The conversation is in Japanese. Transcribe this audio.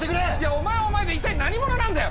お前はお前で一体何者なんだよ。